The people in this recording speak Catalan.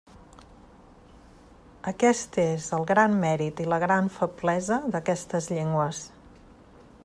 Aquest és el gran mèrit i la gran feblesa d'aquestes llengües.